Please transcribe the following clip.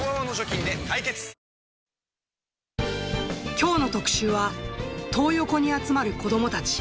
きょうの特集は、トー横に集まる子どもたち。